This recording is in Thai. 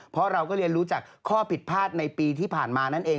เพราะเราก็เรียนรู้จากข้อผิดพลาดในปีที่ผ่านมานั่นเอง